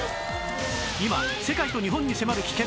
今世界と日本に迫る危険！